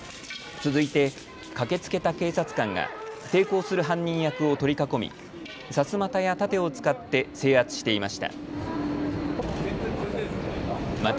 続いて、駆けつけた警察官が抵抗する犯人役を取り囲み、さすまたや盾を使って制圧していました。